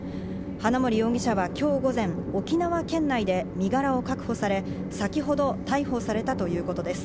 花森容疑者は今日午前、沖縄県内で身柄を確保され、先ほど逮捕されたということです。